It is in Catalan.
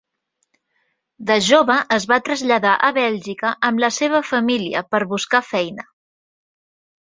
De jove es va traslladar a Bèlgica amb la seva família per buscar feina.